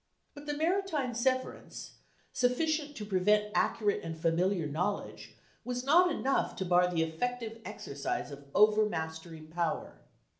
But the maritime severance, sufficient to prevent accurate and familiar knowledge, was not enough to bar the effective exercise of overmastering power.